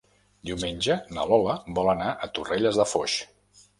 Diumenge na Lola vol anar a Torrelles de Foix.